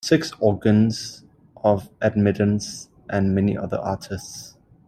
Six Organs of Admittance and many other artists.